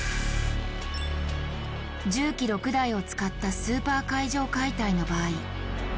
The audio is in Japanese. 重機６台を使ったスーパー階上解体の場合